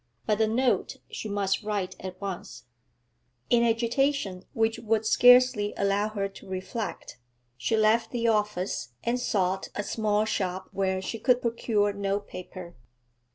But the note she must write at once. In agitation which would scarcely allow her to reflect, she left the office and sought a small shop where she could procure note paper.